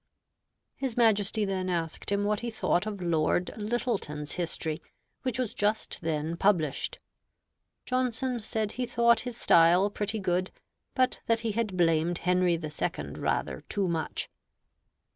His Majesty then asked him what he thought of Lord Lyttelton's history, which was just then published. Johnson said he thought his style pretty good, but that he had blamed Henry the Second rather too much.